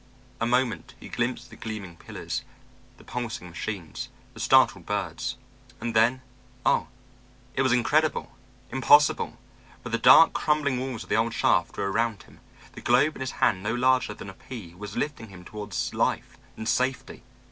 A moment he glimpsed the gleaming pillars, the pulsing machines, the startled birds, and then Oh, it was incredible, impossible, but the dark, crumbling walls of the old shaft were around him; the globe in his hand no larger than a pea was lifting him towards life and safety.